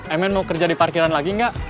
emen mau kerja di parkiran lagi nggak